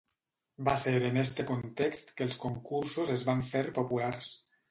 Va ser en este context que els concursos es van fer populars.